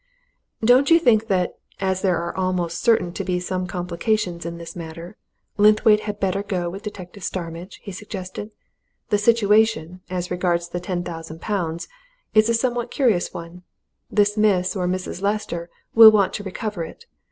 "Don't you think that as there are almost certain to be some complications about this matter Linthwaite had better go with Detective Starmidge?" he suggested. "The situation, as regards the ten thousand pounds, is a somewhat curious one. This Miss or Mrs. Lester will want to recover it.